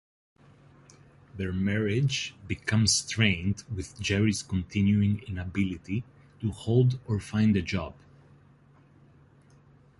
Their marriage becomes strained with Jerry's continuing inability to hold or find a job.